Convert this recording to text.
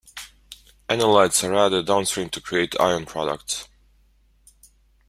Analytes are added downstream to create ion products.